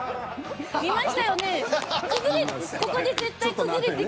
見ましたよね？